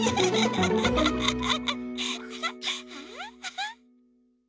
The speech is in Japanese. ハハハ！